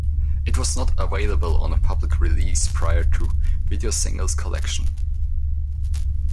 It was not available on a public release prior to "Video Singles Collection".